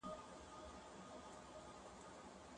موږ باید د خپل هېواد په ابادۍ کي ونډه واخلو.